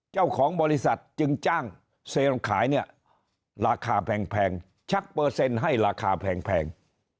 เจ้าของบริษัทจึงจ้างเซลขายเนี่ยราคาแพงชักเปอร์เซ็นต์ให้ราคาแพง